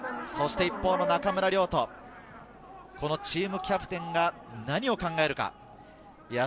一方の中村亮土、このチームキャプテンが何を考えるか。